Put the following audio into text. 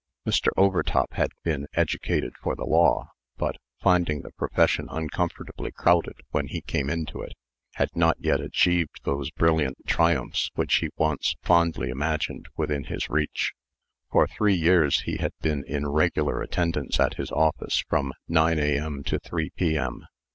Mr. Overtop had been educated for the law, but, finding the profession uncomfortably crowded when he came into it, had not yet achieved those brilliant triumphs which he once fondly imagined within his reach. For three years he had been in regular attendance at his office from nine A.M. to three P.M.